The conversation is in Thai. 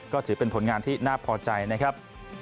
ก็ถือเป็นผลงานที่น่าพอใจนะครับ